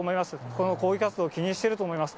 この抗議活動、気にしていると思います。